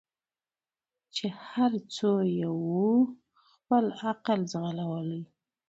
چي هر څو یې وو خپل عقل ځغلولی